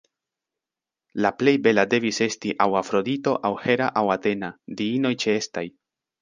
La plej bela devis esti aŭ Afrodito aŭ Hera aŭ Atena, diinoj ĉeestaj.